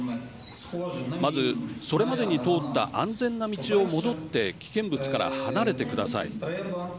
まず、それまでに通った安全な道を戻って危険物から離れてください。